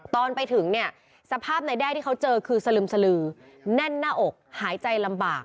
ตอนไปถึงเนี่ยสภาพนายแด้ที่เขาเจอคือสลึมสลือแน่นหน้าอกหายใจลำบาก